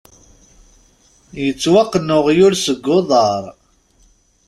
Yettwaqqen uɣyul seg uḍar.